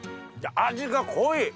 味が濃い。